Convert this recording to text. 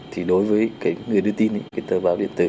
thì đối với người đưa tin cái tờ báo điện tử